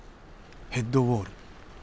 「ヘッドウォール」。